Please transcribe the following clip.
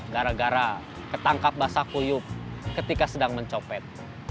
gara gara ketangkap basah kuyuk ketika sedang mencopet